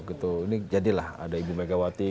gitu ini jadilah ada ibu megawati